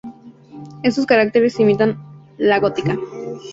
Estos caracteres imitan la gótica cursiva francesa del Renacimiento.